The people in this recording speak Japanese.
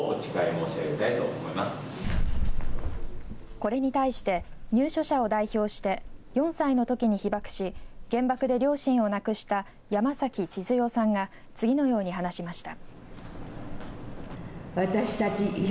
これに対して入所者を代表して４歳のときに被爆し原爆で両親を亡くした山崎千鶴代さんが次のように話しました。